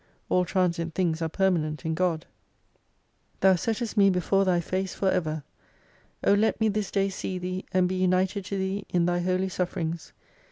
(All transient things are permanent in Gcd.) Tliou 44 settest me before Thy face forever, O let me this day sec Thee, and be united to Thee in Thy Holy Sufferings.